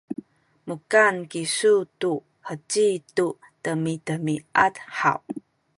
mukan kisu tu heci tu demiamiad haw?